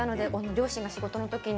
両親が仕事のときに。